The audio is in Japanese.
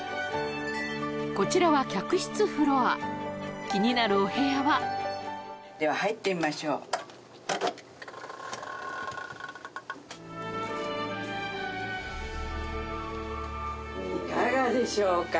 こちらは客室フロア気になるお部屋はでは入ってみましょういかがでしょうか